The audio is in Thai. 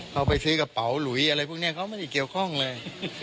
เขาไปซื้อกระเป๋าหลุยอะไรพวกนี้เขาไม่ได้เกี่ยวข้องเลย